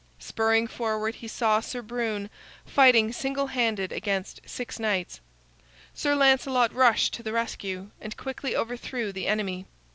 Spurring forward he saw Sir Brune, fighting single handed against six knights. Sir Lancelot rushed to the rescue and quickly overthrew the enemy.